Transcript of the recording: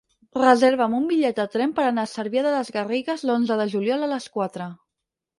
Reserva'm un bitllet de tren per anar a Cervià de les Garrigues l'onze de juliol a les quatre.